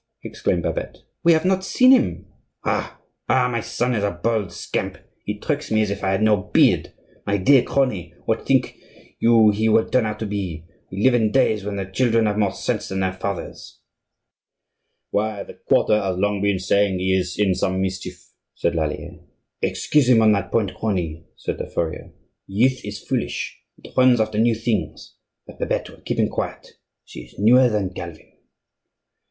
exclaimed Babette. "We have not seen him." "Ha! ha! my son is a bold scamp! He tricks me as if I had no beard. My dear crony, what think you he will turn out to be? We live in days when the children have more sense than their fathers." "Why, the quarter has long been saying he is in some mischief," said Lallier. "Excuse him on that point, crony," said the furrier. "Youth is foolish; it runs after new things; but Babette will keep him quiet; she is newer than Calvin."